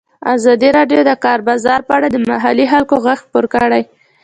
ازادي راډیو د د کار بازار په اړه د محلي خلکو غږ خپور کړی.